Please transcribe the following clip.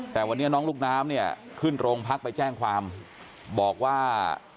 แต่วันนี้น้องลูกน้ำเนี่ยขึ้นโรงพักไปแจ้งความบอกว่า